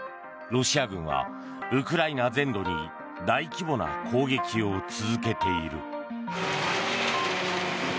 ロシア軍はウクライナ全土に大規模な攻撃を続けている。